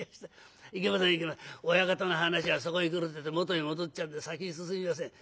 いけません親方の話はそこへ来るってえと元へ戻っちゃうんで先に進みません。